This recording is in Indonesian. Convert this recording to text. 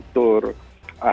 tapi saya juga